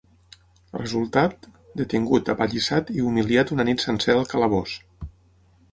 Resultat: detingut, apallissat i humiliat una nit sencera al calabós.